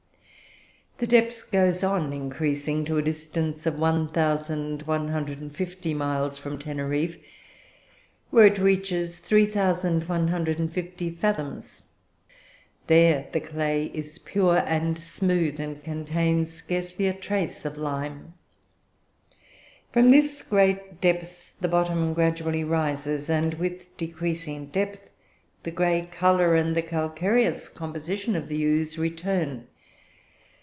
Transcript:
"The depth goes on increasing to a distance of 1,150 miles from Teneriffe, when it reaches 3,150 fathoms; there the clay is pure and smooth, and contains scarcely a trace of lime. From this great depth the bottom gradually rises, and, with decreasing depth, the grey colour and the calcareous composition of the ooze return.